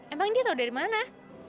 emang dia tahu dari mana